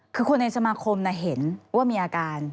คือคนในสมาคมเห็นว่ามีอาการ